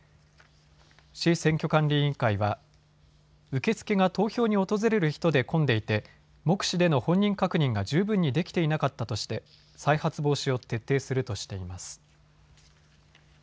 市選挙管理委員会は受け付けが投票に訪れる人で混んでいて目視での本人確認が十分にできていなかったとして再発防止を徹底するとしています。